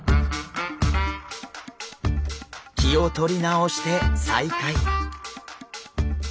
気を取り直して再開。